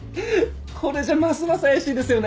これじゃますます怪しいですよね。